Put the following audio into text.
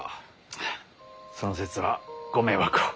あっその節はご迷惑を。